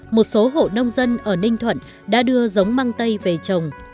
một số hộ nông dân ở ninh thuận đã đưa giống mang tây về trồng